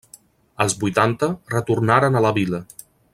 Als vuitanta retornaren a la vila.